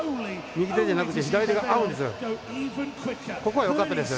右手じゃなくて左手が合うんです。